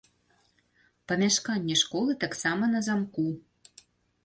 Памяшканне школы таксама на замку.